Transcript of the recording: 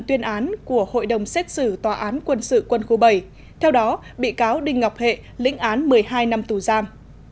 tuyên án của hội đồng xét xử tòa án quân sự quân khu bảy theo đó bị cáo đinh ngọc hệ lĩnh án một mươi hai năm tù giam